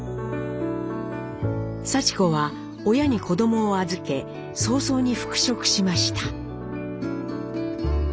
さち子は親に子どもを預け早々に復職しました。